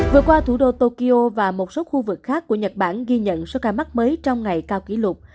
vừa qua thủ đô tokyo và một số khu vực khác của nhật bản ghi nhận số ca mắc mới trong ngày cao kỷ lục